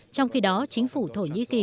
trong khi đó chính phủ thổ nhĩ kỳ